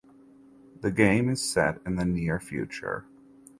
The game is set in the near future.